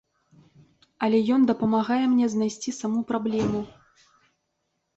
Але ён дапамагае мне знайсці саму праблему.